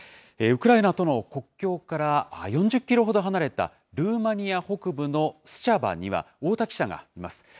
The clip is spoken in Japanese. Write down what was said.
ウクライナとの国境から４０キロほど離れたルーマニア北部のスチャバには、太田記者がいます。